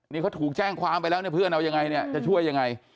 นี่เขาถูกแจ้งความไปแล้วเนี่ยเพื่อนเอายังไงเนี่ยจะช่วยยังไง